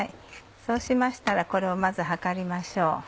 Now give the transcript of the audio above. そうしましたらこれをまず量りましょう。